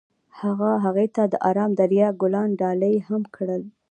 هغه هغې ته د آرام دریا ګلان ډالۍ هم کړل.